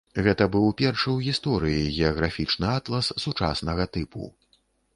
Гэта быў першы ў гісторыі геаграфічны атлас сучаснага тыпу.